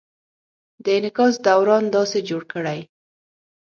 د انعکاس دوران داسې جوړ کړئ: